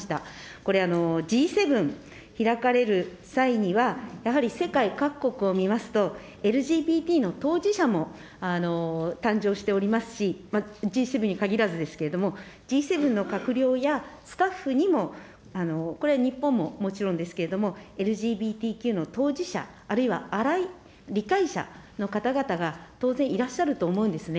これ、Ｇ７開かれる際には、やはり世界各国を見ますと、ＬＧＢＴの当事者も誕生しておりますし、Ｇ７に限らずですけれども、Ｇ７の閣僚やスタッフにも、これ、日本ももちろんですけれども、ＬＧＢＴＱの当事者、あるいは理解者の方が当然いらっしゃると思うんですね。